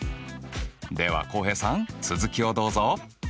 では浩平さん続きをどうぞ。